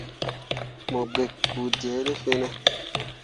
Mo gikki kpu dee ne fene.